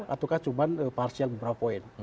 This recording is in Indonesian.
ataukah cuma parsial beberapa poin